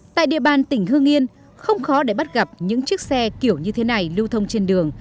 tại địa bàn tỉnh hương yên không khó để bắt gặp những chiếc xe kiểu như thế này lưu thông trên đường